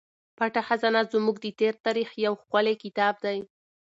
پټه خزانه زموږ د تېر تاریخ یو ښکلی کتاب دی.